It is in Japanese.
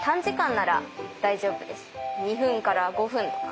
２分から５分とか。